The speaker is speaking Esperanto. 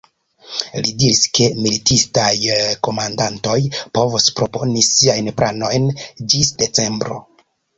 Li diris, ke militistaj komandantoj povos proponi siajn planojn ĝis decembro.